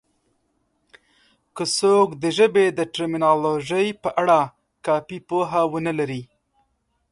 که څوک د ژبې د ټرمینالوژي په اړه کافي پوهه ونه لري